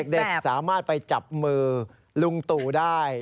เด็กสามารถไปจับมือลุงตู่ได้